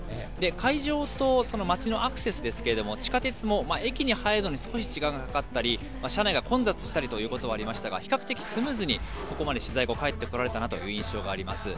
会場とその街のアクセスですけれども、地下鉄も駅に入るのに少し時間がかかったり、車内が混雑したりということはありましたが、比較的スムーズにここまで取材後、帰ってこれたなという印象があります。